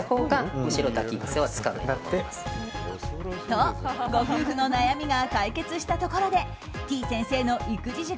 と、ご夫婦の悩みが解決したところでてぃ先生の育児塾